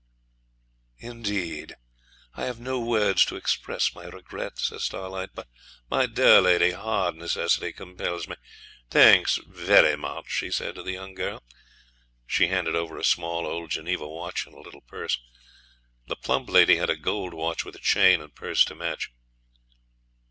'Indeed! I have no words to express my regret,' says Starlight; 'but, my dear lady, hard necessity compels me. Thanks, very much,' he said to the young girl. She handed over a small old Geneva watch and a little purse. The plump lady had a gold watch with a chain and purse to match.